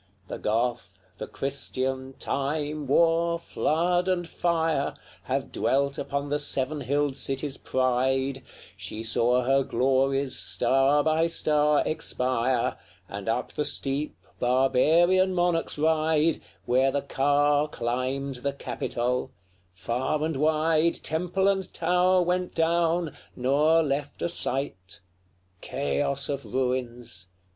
LXXX. The Goth, the Christian, Time, War, Flood, and Fire, Have dwelt upon the seven hilled city's pride: She saw her glories star by star expire, And up the steep barbarian monarchs ride, Where the car climbed the Capitol; far and wide Temple and tower went down, nor left a site; Chaos of ruins!